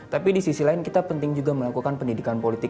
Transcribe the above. tapi di sisi lain kita penting juga melakukan pendidikan politik